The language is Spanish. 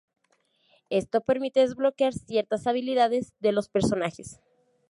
Esto permite desbloquear ciertas habilidades de los personajes.